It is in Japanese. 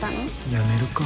やめるか。